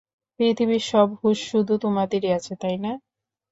পৃথিবীর সব হুশ শুধু তোমাদেরই আছে, তাই না?